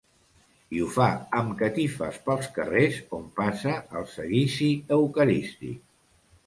I ho fa amb catifes pels carrers on passa el seguici eucarístic.